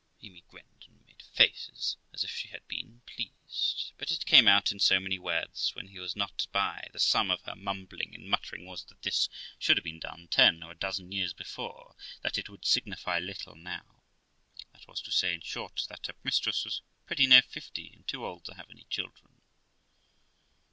Amy grinned and made faces, as if she had been pleased; but it came out in so many words, when he was not by, the sum of her mumbling and muttering was, that this should have been done ten or a dozen years before; that it would signify little now; that was to say, in short, that her mistress was pretty near fifty, and too old to have any children.